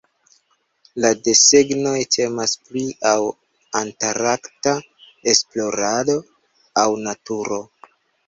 La desegnoj temas pri aŭ antarkta esplorado aŭ naturo.